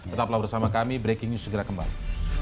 tetaplah bersama kami breaking news segera kembali